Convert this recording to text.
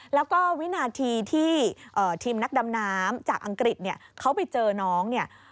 แล้วก็วินาทีที่ทีมนักดำน้ำจากอังกฤษเนี่ยเขาไปเจอน้องเนี่ย